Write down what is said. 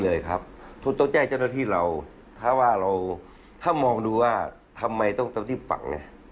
ถูกต้องแจ้งเจ้าหน้าที่เราถ้าว่าเราถ้ามองดูว่าทำไมต้องเจ้าหน้าที่ฝัง